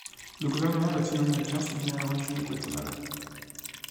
Les gouvernements latino-américains soutenaient à l’origine le Guatemala.